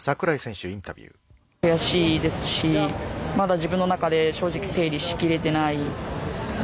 悔しいですしまだ自分の中で整理しきれていない。